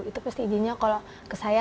itu pasti izinnya kalau ke saya